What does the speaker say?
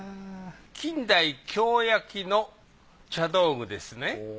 近代京焼の茶道具ですね。